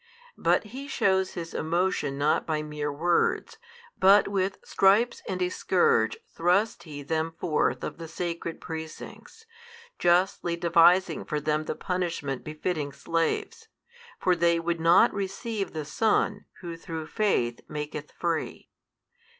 But He shows His emotion not by mere words, but with stripes and a scourge thrusts He them forth of the sacred precincts, justly devising for them the punishment befitting slaves; for they would not receive the Son Who through faith maketh free.